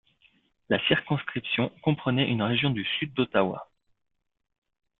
La circonscription comprenait une région du sud d'Ottawa.